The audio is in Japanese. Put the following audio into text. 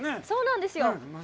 そうなんですよ。